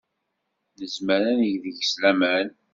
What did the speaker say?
Nezmer ad neg deg-s laman.